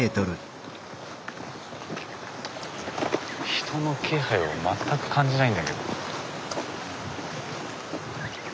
人の気配を全く感じないんだけど。